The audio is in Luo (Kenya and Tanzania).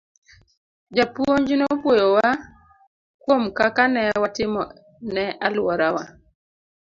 Japuonj nopwoyowa kuom kaka ne watimo ne alworawa.